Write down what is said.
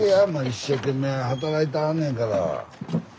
一生懸命働いてはんねんから。